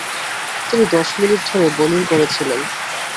তিনি দশ মিনিট ধরে বোলিং করেছিলেন।